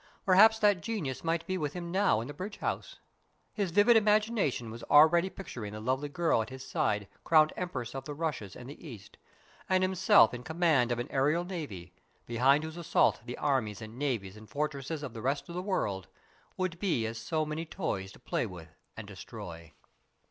Perhaps that genius might be with him now in the bridge house. His vivid imagination was already picturing the lovely girl at his side crowned Empress of the Russias and the East, and himself in command of an aerial navy, beneath whose assault the armies and navies and fortresses of the rest of the world would be as so many toys to play with and destroy.